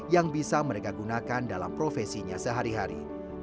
yang bisa mereka gunakan dalam profesinya sehari hari